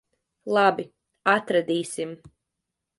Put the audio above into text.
Labi. Atradīsim.